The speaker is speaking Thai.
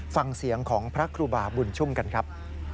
ฟังเสียงของพระครูบาบุญชุ่มกันครับ